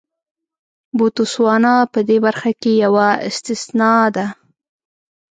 بوتسوانا په دې برخه کې یوه استثنا ده.